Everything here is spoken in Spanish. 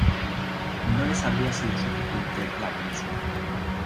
No les habría sido suficiente la buena suerte.